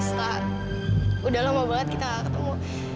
setelah udah lama banget kita ketemu